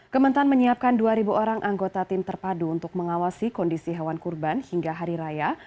kementan menyiapkan dua orang anggota tim terpadu untuk mengawasi kondisi hewan kurban hingga hari raya